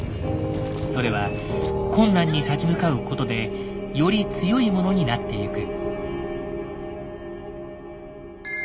それは困難に立ち向かうことでより強いものになってゆく。